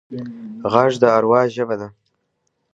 غږ د اروا ژبه ده